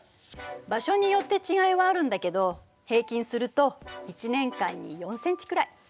場所によって違いはあるんだけど平均すると１年間に４ｃｍくらい。